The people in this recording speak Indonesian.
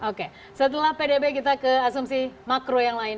oke setelah pdb kita ke asumsi makro yang lain